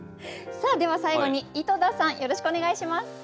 では最後に井戸田さんよろしくお願いします。